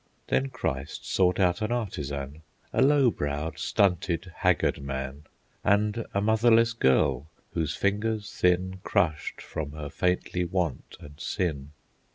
Then Christ sought out an artisan, A low browed, stunted, haggard man, And a motherless girl whose fingers thin Crushed from her faintly want and sin.